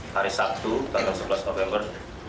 hari sabtu tanggal sebelas november dua ribu tujuh belas